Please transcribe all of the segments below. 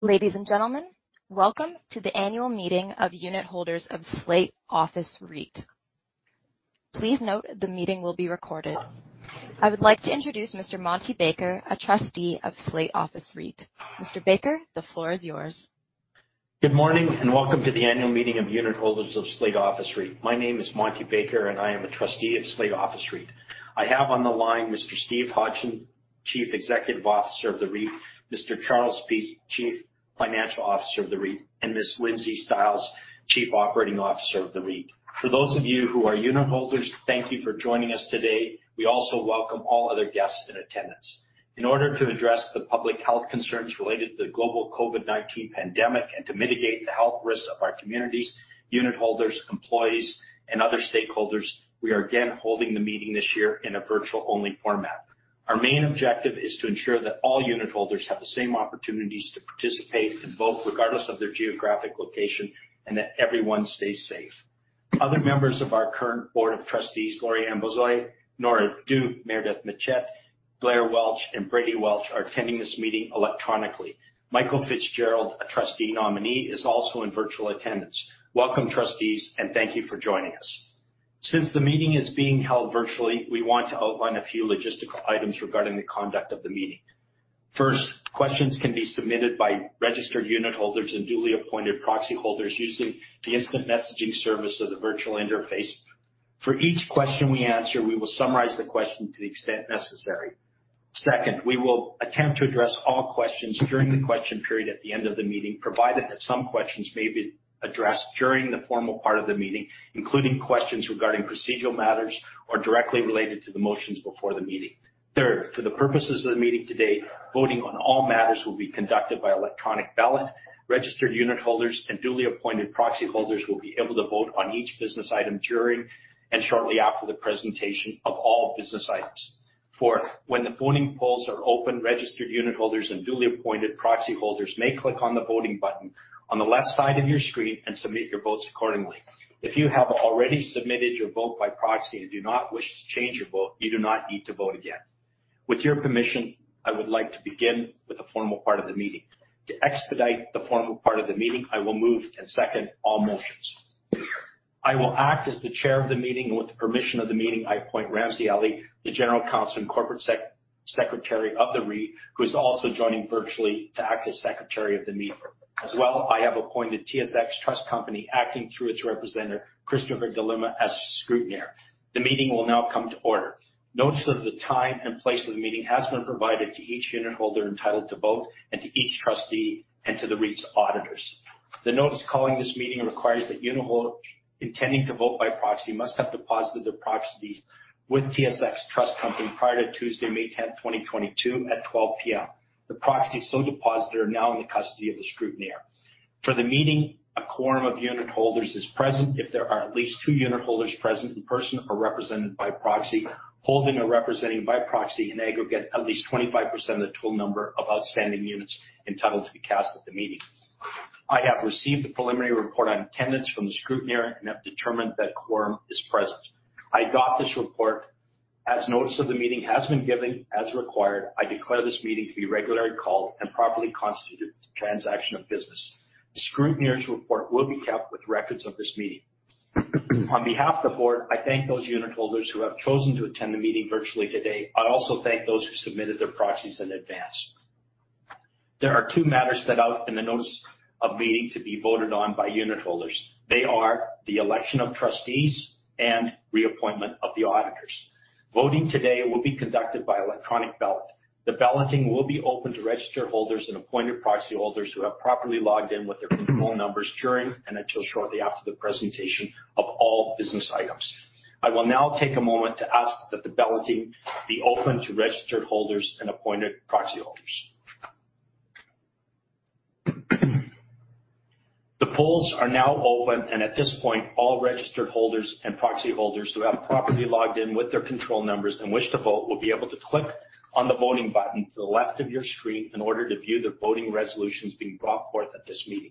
Ladies and gentlemen, welcome to the annual meeting of unitholders of Slate Office REIT. Please note the meeting will be recorded. I would like to introduce Mr. Monty Baker, a trustee of Slate Office REIT. Mr. Baker, the floor is yours. Good morning, welcome to the annual meeting of unitholders of Slate Office REIT. My name is Monty Baker, I am a trustee of Slate Office REIT. I have on the line Mr. Steve Hodgson, Chief Executive Officer of the REIT, Mr. Charles Peach, Chief Financial Officer of the REIT, and Ms. Lindsay Stiles, Chief Operating Officer of the REIT. For those of you who are unitholders, thank you for joining us today. We also welcome all other guests in attendance. In order to address the public health concerns related to the global COVID-19 pandemic and to mitigate the health risks of our communities, unitholders, employees, and other stakeholders, we are again holding the meeting this year in a virtual-only format. Our main objective is to ensure that all unitholders have the same opportunities to participate and vote regardless of their geographic location and that everyone stays safe. Other members of our current board of trustees, Lori-Ann Beausoleil, Nora Duke, Meredith MacCheyne, Blair Welch, and Brady Welch, are attending this meeting electronically. Michael Fitzgerald, a trustee nominee, is also in virtual attendance. Welcome, trustees, and thank you for joining us. Since the meeting is being held virtually, we want to outline a few logistical items regarding the conduct of the meeting. First, questions can be submitted by registered unitholders and duly appointed proxyholders using the instant messaging service of the virtual interface. For each question we answer, we will summarize the question to the extent necessary. Second, we will attempt to address all questions during the question period at the end of the meeting, provided that some questions may be addressed during the formal part of the meeting, including questions regarding procedural matters or directly related to the motions before the meeting. Third, for the purposes of the meeting today, voting on all matters will be conducted by electronic ballot. Registered unitholders and duly appointed proxyholders will be able to vote on each business item during and shortly after the presentation of all business items. Fourth, when the voting polls are open, registered unitholders and duly appointed proxyholders may click on the voting button on the left side of your screen and submit your votes accordingly. If you have already submitted your vote by proxy and do not wish to change your vote, you do not need to vote again. With your permission, I would like to begin with the formal part of the meeting. To expedite the formal part of the meeting, I will move and second all motions. I will act as the chair of the meeting. With the permission of the meeting, I appoint Ramsey Ali, the General Counsel and Corporate Secretary of the REIT, who is also joining virtually to act as Secretary of the meeting. As well, I have appointed TSX Trust Company, acting through its representative, Christopher de Lima, as scrutineer. The meeting will now come to order. Notice of the time and place of the meeting has been provided to each unitholder entitled to vote and to each trustee and to the REIT's auditors. The notice calling this meeting requires that unitholder intending to vote by proxy must have deposited their proxies with TSX Trust Company prior to Tuesday, May tenth, twenty twenty-two, at 12:00 P.M. The proxies so deposited are now in the custody of the scrutineer. For the meeting, a quorum of unitholders is present if there are at least two unitholders present in person or represented by proxy, holding or representing by proxy in aggregate at least 25% of the total number of outstanding units entitled to be cast at the meeting. I have received the preliminary report on attendance from the scrutineer and have determined that quorum is present. I got this report. As notice of the meeting has been given as required, I declare this meeting to be regularly called and properly constituted for the transaction of business. The scrutineer's report will be kept with records of this meeting. On behalf of the board, I thank those unitholders who have chosen to attend the meeting virtually today. I also thank those who submitted their proxies in advance. There are 2 matters set out in the notice of meeting to be voted on by unitholders. They are the election of trustees and reappointment of the auditors. Voting today will be conducted by electronic ballot. The balloting will be open to registered holders and appointed proxyholders who have properly logged in with their control numbers during and until shortly after the presentation of all business items. I will now take a moment to ask that the balloting be open to registered holders and appointed proxyholders. The polls are now open. At this point, all registered holders and proxyholders who have properly logged in with their control numbers and wish to vote will be able to click on the voting button to the left of your screen in order to view the voting resolutions being brought forth at this meeting.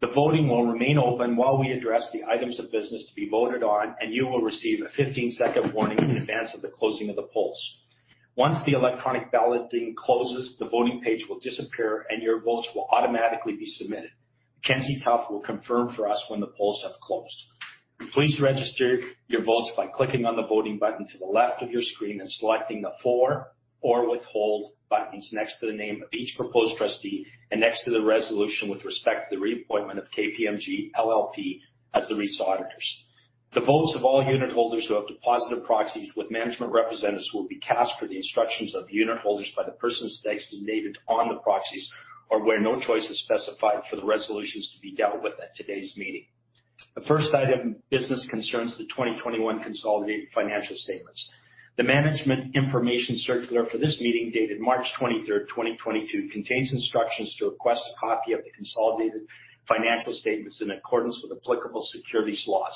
The voting will remain open while we address the items of business to be voted on. You will receive a 15-second warning in advance of the closing of the polls. Once the electronic balloting closes, the voting page will disappear, and your votes will automatically be submitted. uncertain will confirm for us when the polls have closed. Please register your votes by clicking on the voting button to the left of your screen and selecting the for or withhold buttons next to the name of each proposed trustee and next to the resolution with respect to the reappointment of KPMG LLP as the REIT's auditors. The votes of all unitholders who have deposited proxies with management representatives will be cast for the instructions of unitholders by the persons they designated on the proxies, or where no choice is specified, for the resolutions to be dealt with at today's meeting. The first item of business concerns the 2021 consolidated financial statements. The management information circular for this meeting, dated March 23rd, 2022, contains instructions to request a copy of the consolidated financial statements in accordance with applicable securities laws.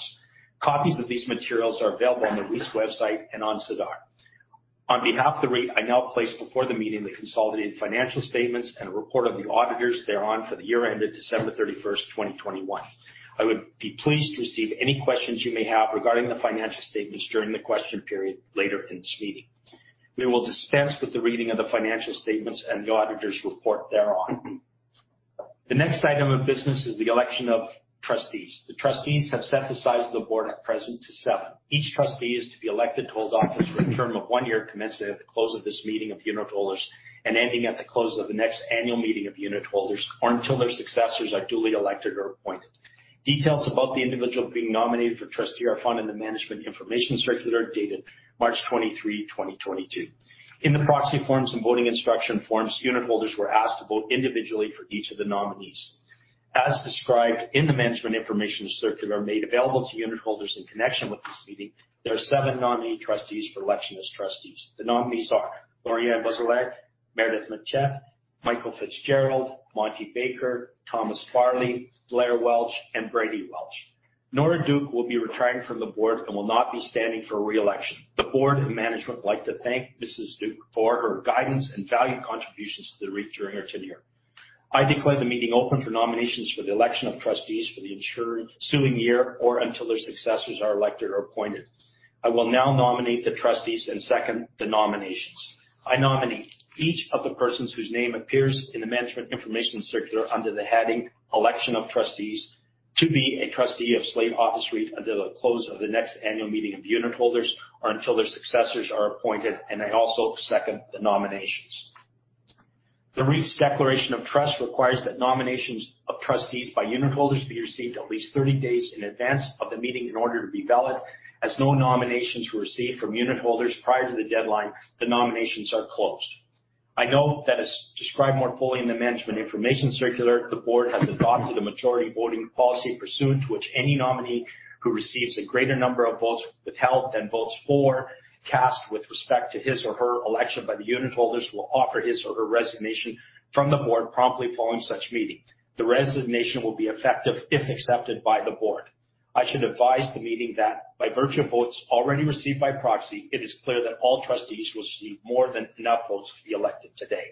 Copies of these materials are available on the REIT's website and on SEDAR. On behalf of the REIT, I now place before the meeting the consolidated financial statements and a report of the auditors thereon for the year ended December 31st, 2021. I would be pleased to receive any questions you may have regarding the financial statements during the question period later in this meeting. We will dispense with the reading of the financial statements and the auditor's report thereon.... The next item of business is the election of trustees. The trustees have set the size of the board at present to seven. Each trustee is to be elected to hold office for a term of one year, commencing at the close of this meeting of unitholders and ending at the close of the next annual meeting of unitholders, or until their successors are duly elected or appointed. Details about the individual being nominated for trustee are found in the management information circular, dated March 23, 2022. In the proxy forms and voting instruction forms, unitholders were asked to vote individually for each of the nominees. As described in the management information circular made available to unitholders in connection with this meeting, there are seven nominee trustees for election as trustees. The nominees are Lori-Ann Beausoleil, Meredith MacCheyne, Michael Fitzgerald, Monty Baker, Thomas Farley, Blair Welch, and Brady Welch. Nora Duke will be retiring from the board and will not be standing for re-election. The board and management would like to thank Mrs. Duke for her guidance and valued contributions to the REIT during her tenure. I declare the meeting open for nominations for the ensuing year or until their successors are elected or appointed. I will now nominate the trustees and second the nominations. I nominate each of the persons whose name appears in the management information circular under the heading, Election of Trustees, to be a trustee of Slate Office REIT until the close of the next annual meeting of unitholders or until their successors are appointed, and I also second the nominations. The REIT's declaration of trust requires that nominations of trustees by unitholders be received at least 30 days in advance of the meeting in order to be valid. As no nominations were received from unitholders prior to the deadline, the nominations are closed. I note that, as described more fully in the management information circular, the board has adopted a majority voting policy pursuant to which any nominee who receives a greater number of votes withheld than votes for cast with respect to his or her election by the unitholders, will offer his or her resignation from the board promptly following such meeting. The resignation will be effective if accepted by the board. I should advise the meeting that by virtue of votes already received by proxy, it is clear that all trustees will receive more than enough votes to be elected today.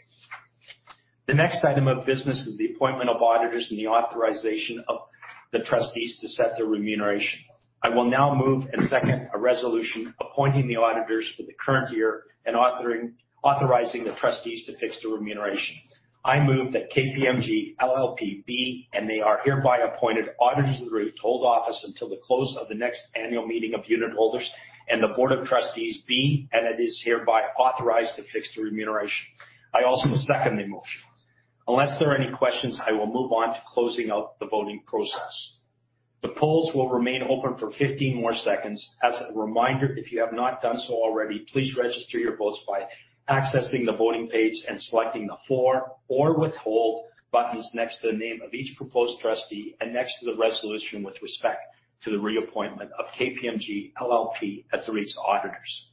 The next item of business is the appointment of auditors and the authorization of the trustees to set their remuneration. I will now move and second a resolution appointing the auditors for the current year and authorizing the trustees to fix the remuneration. I move that KPMG LLP be, and they are hereby appointed auditors of the REIT to hold office until the close of the next annual meeting of unitholders, and the board of trustees be, and it is hereby authorized to fix the remuneration. I also second the motion. Unless there are any questions, I will move on to closing out the voting process. The polls will remain open for 15 more seconds. As a reminder, if you have not done so already, please register your votes by accessing the voting page and selecting the for or withhold buttons next to the name of each proposed trustee and next to the resolution with respect to the reappointment of KPMG LLP as the REIT's auditors.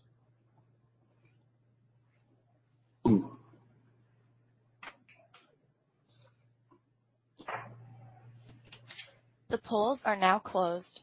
The polls are now closed.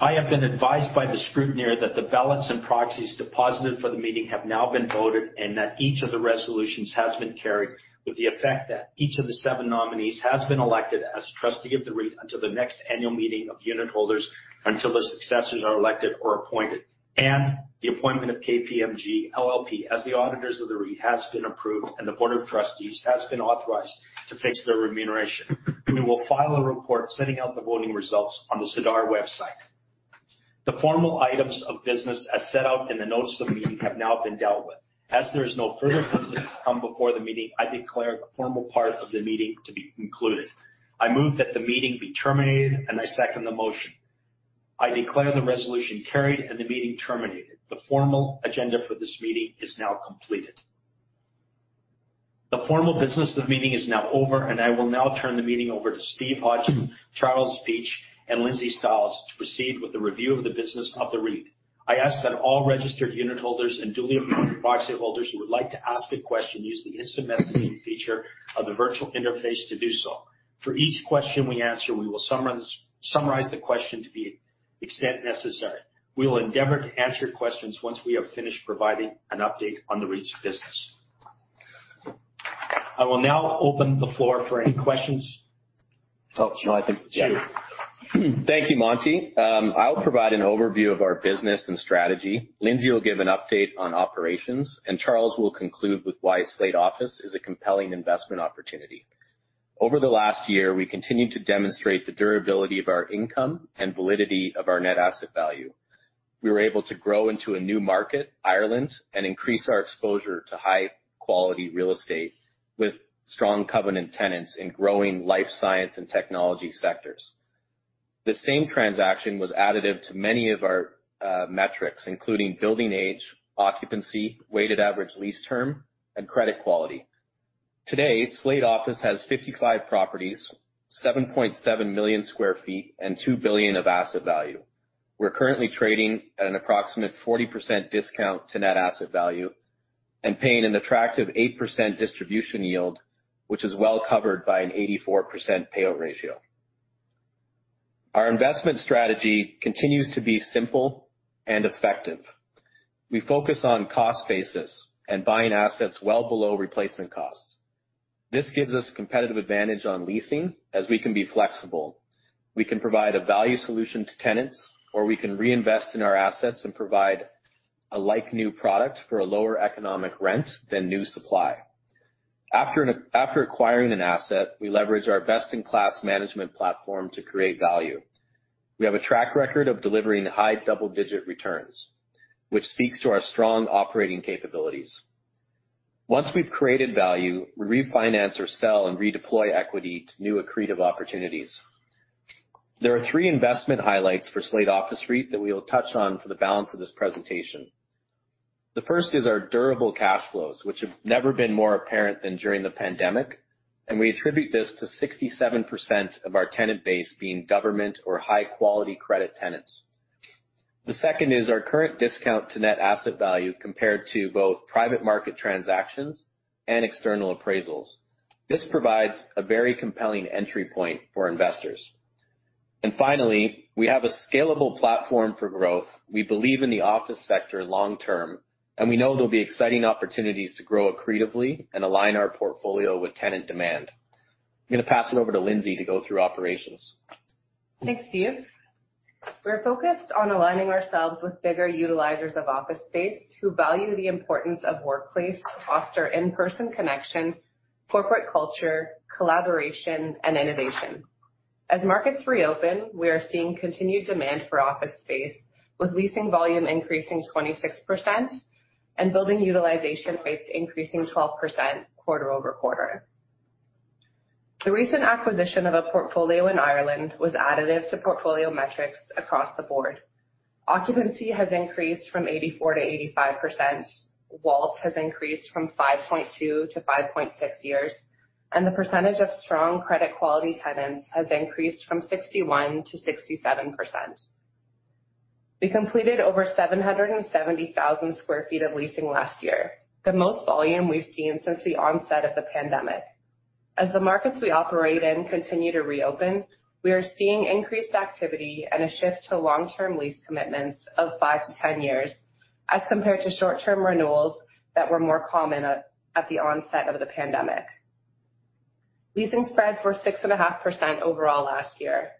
I have been advised by the scrutineer that the ballots and proxies deposited for the meeting have now been voted, and that each of the resolutions has been carried with the effect that each of the seven nominees has been elected as a trustee of the REIT until the next annual meeting of unitholders, until the successors are elected or appointed. The appointment of KPMG LLP as the auditors of the REIT has been approved, and the board of trustees has been authorized to fix their remuneration. We will file a report sending out the voting results on the SEDAR website. The formal items of business, as set out in the notice of the meeting, have now been dealt with. As there is no further business to come before the meeting, I declare the formal part of the meeting to be concluded. I move that the meeting be terminated. I second the motion. I declare the resolution carried and the meeting terminated. The formal agenda for this meeting is now completed. The formal business of the meeting is now over. I will now turn the meeting over to Steve Hodgson, Charles Peach, and Lindsay Stiles to proceed with the review of the business of the REIT. I ask that all registered unitholders and duly appointed proxyholders who would like to ask a question, use the instant messaging feature of the virtual interface to do so. For each question we answer, we will summarize the question to the extent necessary. We will endeavor to answer questions once we have finished providing an update on the REIT's business. I will now open the floor for any questions. Oh, sure, I think... Sure. Thank you, Monty. I'll provide an overview of our business and strategy. Lindsay will give an update on operations. Charles will conclude with why Slate Office is a compelling investment opportunity. Over the last year, we continued to demonstrate the durability of our income and validity of our net asset value. We were able to grow into a new market, Ireland, and increase our exposure to high-quality real estate with strong covenant tenants in growing life science and technology sectors. The same transaction was additive to many of our metrics, including building age, occupancy, weighted average lease term, and credit quality. Today, Slate Office has 55 properties, 7.7 million sq ft, and 2 billion of asset value. We're currently trading at an approximate 40% discount to net asset value and paying an attractive 8% distribution yield, which is well covered by an 84% payout ratio. Our investment strategy continues to be simple and effective. We focus on cost basis and buying assets well below replacement costs. This gives us competitive advantage on leasing as we can be flexible. We can provide a value solution to tenants, or we can reinvest in our assets and provide a like-new product for a lower economic rent than new supply. After acquiring an asset, we leverage our best-in-class management platform to create value. We have a track record of delivering high double-digit returns, which speaks to our strong operating capabilities. Once we've created value, we refinance or sell and redeploy equity to new accretive opportunities. There are 3 investment highlights for Slate Office REIT that we will touch on for the balance of this presentation. The first is our durable cash flows, which have never been more apparent than during the pandemic. We attribute this to 67% of our tenant base being government or high-quality credit tenants. The second is our current discount to net asset value compared to both private market transactions and external appraisals. This provides a very compelling entry point for investors. Finally, we have a scalable platform for growth. We believe in the office sector long term. We know there'll be exciting opportunities to grow accretively and align our portfolio with tenant demand. I'm going to pass it over to Lindsay to go through operations. Thanks, Steve. We're focused on aligning ourselves with bigger utilizers of office space, who value the importance of workplace to foster in-person connection, corporate culture, collaboration, and innovation. As markets reopen, we are seeing continued demand for office space, with leasing volume increasing 26% and building utilization rates increasing 12% quarter-over-quarter. The recent acquisition of a portfolio in Ireland was additive to portfolio metrics across the board. Occupancy has increased from 84%-85%, WALT has increased from 5.2-5.6 years, and the percentage of strong credit quality tenants has increased from 61%-67%. We completed over 770,000 sq ft of leasing last year, the most volume we've seen since the onset of the pandemic. As the markets we operate in continue to reopen, we are seeing increased activity and a shift to long-term lease commitments of 5-10 years, as compared to short-term renewals that were more common at the onset of the pandemic. Leasing spreads were 6.5% overall last year.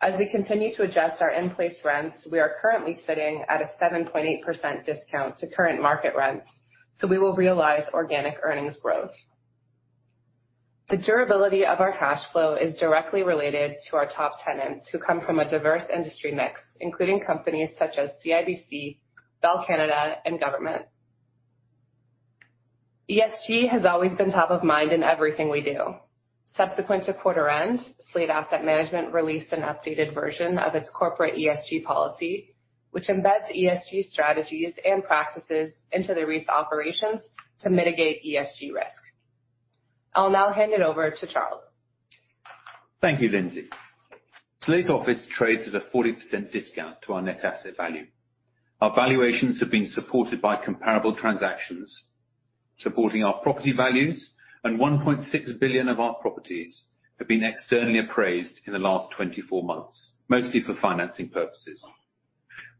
As we continue to adjust our in-place rents, we are currently sitting at a 7.8% discount to current market rents. We will realize organic earnings growth. The durability of our cash flow is directly related to our top tenants, who come from a diverse industry mix, including companies such as CIBC, Bell Canada, and government. ESG has always been top of mind in everything we do. Subsequent to quarter end, Slate Asset Management released an updated version of its corporate ESG policy, which embeds ESG strategies and practices into the REIT's operations to mitigate ESG risk. I'll now hand it over to Charles. Thank you, Lindsay. Slate Office REIT trades at a 40% discount to our net asset value. Our valuations have been supported by comparable transactions, supporting our property values, and 1.6 billion of our properties have been externally appraised in the last 24 months, mostly for financing purposes.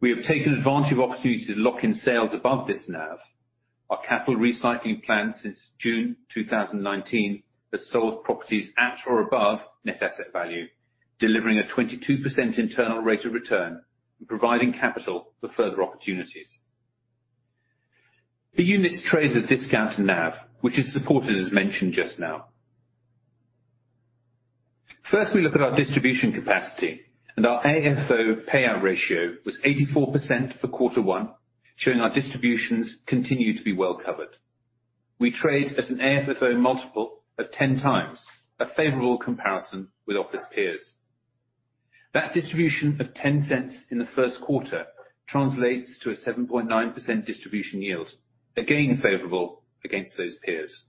We have taken advantage of opportunities to lock in sales above this NAV. Our capital recycling plan since June 2019, has sold properties at or above net asset value, delivering a 22% internal rate of return and providing capital for further opportunities. The units trade as a discount to NAV, which is supported, as mentioned just now. First, we look at our distribution capacity, and our AFFO payout ratio was 84% for quarter 1, showing our distributions continue to be well covered. We trade at an AFFO multiple of 10x, a favorable comparison with office peers. That distribution of 0.10 in the first quarter translates to a 7.9% distribution yield, again, favorable against those peers.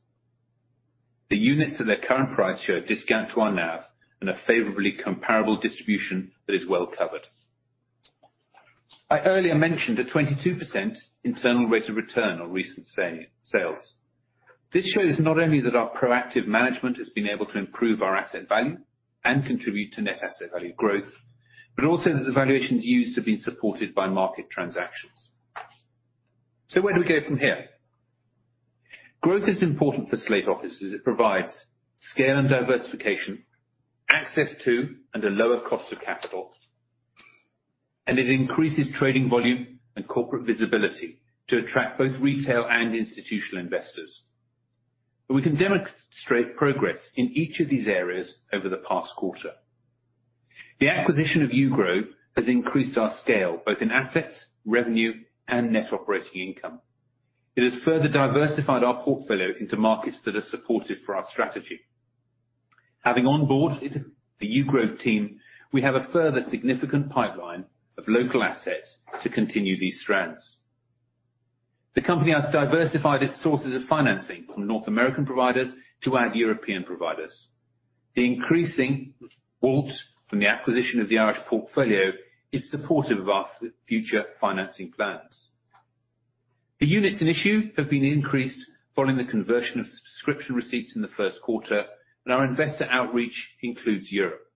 The units of their current price show a discount to our NAV and a favorably comparable distribution that is well covered. I earlier mentioned a 22% internal rate of return on recent sales. This shows not only that our proactive management has been able to improve our asset value and contribute to net asset value growth, but also that the valuations used have been supported by market transactions. Where do we go from here? Growth is important for Slate Office, as it provides scale and diversification, access to and a lower cost of capital, and it increases trading volume and corporate visibility to attract both retail and institutional investors. We can demonstrate progress in each of these areas over the past quarter. The acquisition of Yew Grove has increased our scale, both in assets, revenue, and net operating income. It has further diversified our portfolio into markets that are supportive for our strategy. Having onboarded the Yew Grove team, we have a further significant pipeline of local assets to continue these strands. The company has diversified its sources of financing from North American providers to our European providers. The increasing WALT from the acquisition of the Irish portfolio is supportive of our future financing plans. The units in issue have been increased following the conversion of subscription receipts in the first quarter. Our investor outreach includes Europe.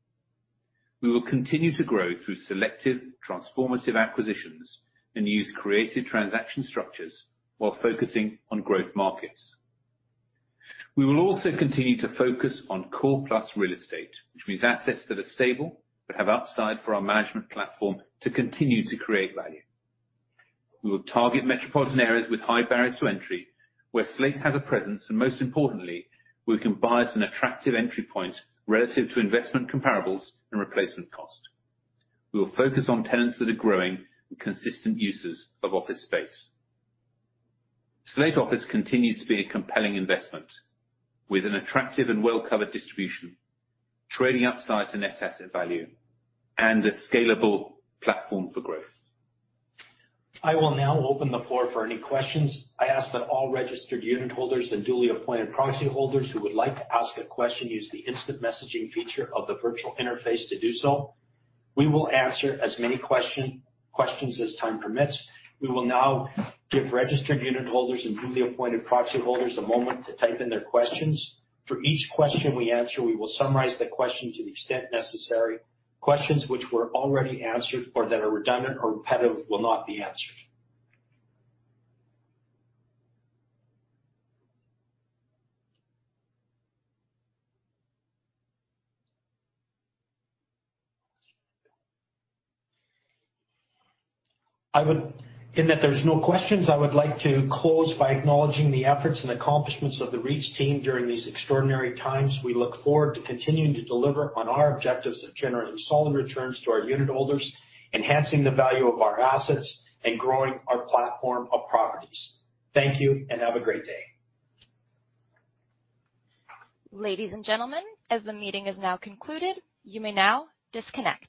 We will continue to grow through selective transformative acquisitions and use creative transaction structures while focusing on growth markets. We will also continue to focus on core plus real estate, which means assets that are stable, but have upside for our management platform to continue to create value. We will target metropolitan areas with high barriers to entry, where Slate has a presence, and most importantly, we can buy at an attractive entry point relative to investment comparables and replacement cost. We will focus on tenants that are growing and consistent users of office space. Slate Office continues to be a compelling investment with an attractive and well-covered distribution, trading upside to net asset value, and a scalable platform for growth. I will now open the floor for any questions. I ask that all registered unit holders and duly appointed proxy holders who would like to ask a question, use the instant messaging feature of the virtual interface to do so. We will answer as many questions as time permits. We will now give registered unit holders and duly appointed proxy holders a moment to type in their questions. For each question we answer, we will summarize the question to the extent necessary. Questions which were already answered or that are redundant or repetitive will not be answered. In that there's no questions, I would like to close by acknowledging the efforts and accomplishments of the REIT team during these extraordinary times. We look forward to continuing to deliver on our objectives of generating solid returns to our unit holders, enhancing the value of our assets, and growing our platform of properties. Thank you, and have a great day. Ladies and gentlemen, as the meeting is now concluded, you may now disconnect.